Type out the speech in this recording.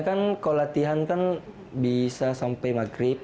kalau latihan bisa sampai maghrib